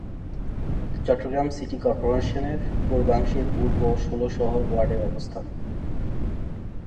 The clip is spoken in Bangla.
চট্টগ্রাম সিটি কর্পোরেশনের পূর্বাংশে পূর্ব ষোলশহর ওয়ার্ডের অবস্থান।